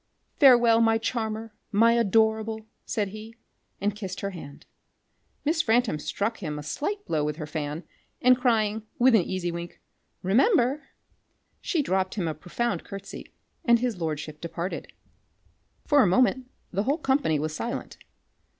"Farewel, my charmer, my adorable!" said he, and kissed her hand. Miss Frampton struck him a slight blow with her fan, and crying, with an easy wink, "Remember!" she dropt him a profound curtesey and his lordship departed. For a moment the whole company was silent.